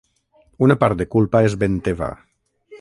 Una part de culpa és ben teva.